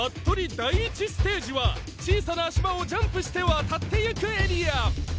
第１ステージは小さな島をジャンプして渡っていくエリア！